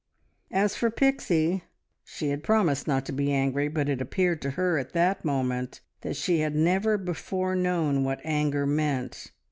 As for Pixie she had promised not to be angry, but it appeared to her at that moment that she had never before known what anger meant.